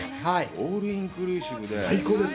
オールインクルーシブで、最高です。